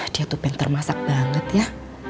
dia tuh pen termasak banget ya